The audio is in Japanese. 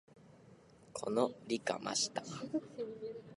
この「信楽」には、京大の文科や理科の教授がよく出入りしておりました